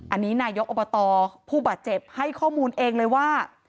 อันนี้นายกอบตผู้บาดเจ็บให้ข้อมูลเองเลยว่า